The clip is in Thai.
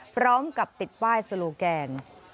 พร้อมกับติดป้ายโซโลแกน